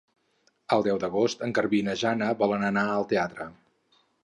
El deu d'agost en Garbí i na Jana volen anar al teatre.